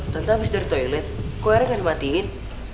tante habis dari toilet kok erang gak dimatiin